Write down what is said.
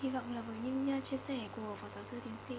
hi vọng là với những chia sẻ của phật giáo sư tiến sĩ